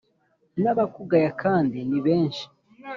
Nabakugaya kandi ni benshi